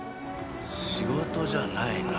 仕事じゃないな。